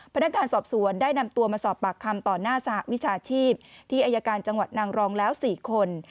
พนักงานสอบสวนได้นำตัวมาสอบปากคำต่อหน้าสหวิชาชีพที่อายการจังหวัดนางรองแล้ว๔คน